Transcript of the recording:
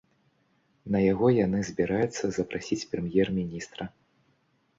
На яго яны збіраюцца запрасіць прэм'ер-міністра.